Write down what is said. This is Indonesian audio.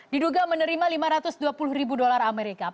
diduga menerima lima ratus dua puluh ribu dolar amerika